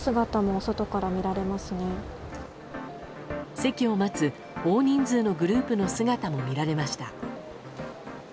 席を待つ大人数のグループの姿も見られました。